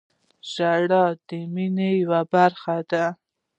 • ژړا د مینې یوه برخه ده.